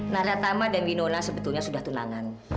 narathama dan winona sebetulnya sudah punya tunangan